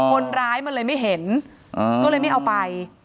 คนร้ายมันเลยไม่เห็นก็เลยไม่เอาไป